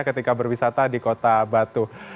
ketika berwisata di kota batu